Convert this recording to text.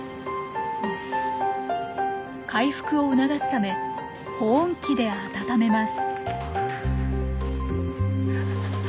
回復を促すため保温器で温めます。